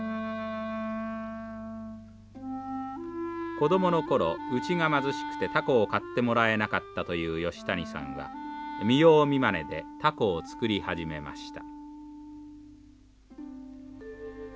子どもの頃うちが貧しくてたこを買ってもらえなかったという吉谷さんは見よう見まねでたこを作り始めました。